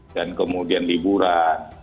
dan kemudian liburan